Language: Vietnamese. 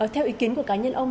theo ý kiến của cá nhân ông